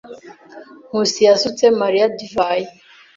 Nkusi yasutse Mariya divayi.